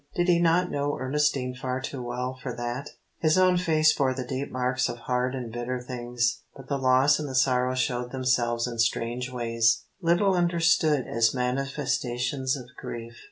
Did he not know Ernestine far too well far that? His own face bore the deep marks of hard and bitter things. But the loss and the sorrow showed themselves in strange ways, little understood as manifestations of grief.